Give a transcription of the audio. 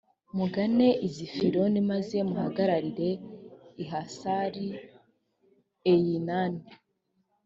mugane i zifironi, maze muhagararire i hasari-eyinani.